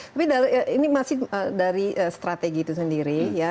tapi ini masih dari strategi itu sendiri ya